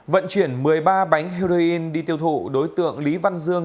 vận chuyển một mươi ba bánh heroin đi tiêu thụ đối tượng lý văn dương